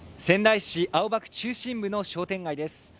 仙台市青葉区中心部の商店街です